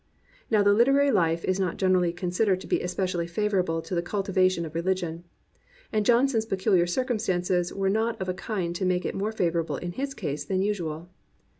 Now the literary Ufe is not generally considered to be especially favourable to the cultivation of re ligion; and Johnson's peculiar circumstances were not of a kind to make it more favourable in his case than usual.